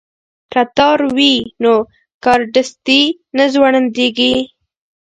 که تار وي نو کارډستي نه ځوړندیږي.